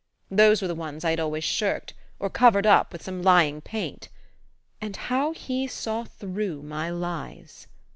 Those were the ones I had always shirked, or covered up with some lying paint. And how he saw through my lies!